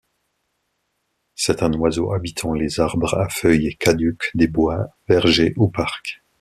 C'est un oiseau habitant les arbres à feuilles caduques des bois, vergers ou parcs.